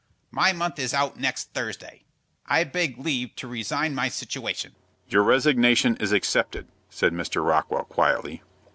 My month is out next Thursday; I beg leave to resign my situation." "Your resignation is accepted," said Mr. Rockwell, quietly.